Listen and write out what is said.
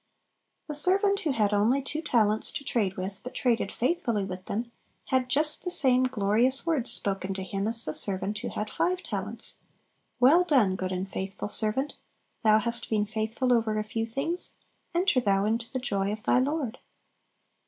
The servant who had only two talents to trade with, but traded faithfully with them, had just the same glorious words spoken to him as the servant who had five talents: "Well done, good and faithful servant: thou hast been faithful over a few things ... enter thou into the joy of thy lord."